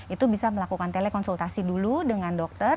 itu bisa melakukan telekonsultasi dulu dengan dokter